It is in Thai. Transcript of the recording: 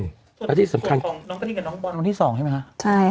น้องกะทิกับน้องบอลวันที่๒ใช่ไหมคะ